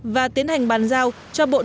và tiến hành bàn giao cho bộ tư lệnh